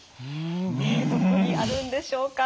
どこにあるんでしょうか。